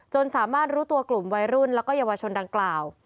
สามารถรู้ตัวกลุ่มวัยรุ่นแล้วก็เยาวชนดังกล่าว